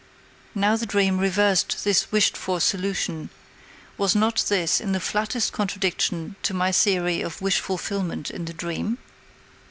Now the dream reversed this wished for solution; was not this in the flattest contradiction to my theory of wish fulfillment in the dream?